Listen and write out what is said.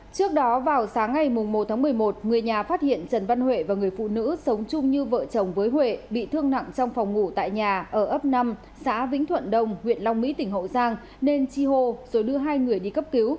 trước đó vào sáng ngày một một mươi một người nhà phát hiện trần văn huệ và người phụ nữ sống chung như vợ chồng với huệ bị thương nặng trong phòng ngủ tại nhà ở ấp năm xã vĩnh thuận đông huyện long mỹ tỉnh hậu giang nên chi hô rồi đưa hai người đi cấp cứu